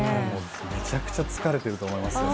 めちゃくちゃ疲れてると思いますよね。